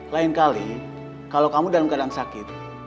lain kali kalau kamu dalam keadaan sakit